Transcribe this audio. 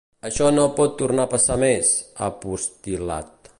Això no pot tornar a passar més, ha postil·lat.